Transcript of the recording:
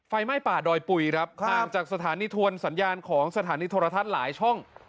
ไฟไหม้ป่าดอยปุ๋ยครับห่างจากสถานีทวนสัญญาณของสถานีโทรทัศน์หลายช่อง